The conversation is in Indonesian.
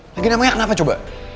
lagian emangnya kenapa coba